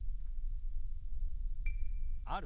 「ある」。